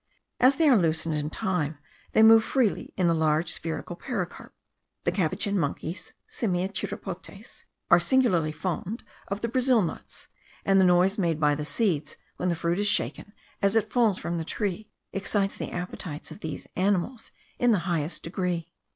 As they are loosened in time, they move freely in the large spherical pericarp. The capuchin monkeys (Simia chiropotes) are singularly fond of the Brazil nuts; and the noise made by the seeds, when the fruit is shaken as it falls from the tree, excites the appetites of these animals in the highest degree.